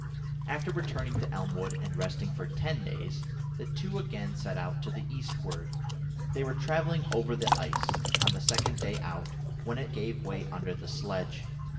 After returning to Elmwood and resting for ten days, the two again set out to the eastward. They were travelling over the ice, on the second day out, when it gave way under the sledge.